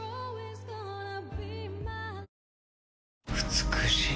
美しい。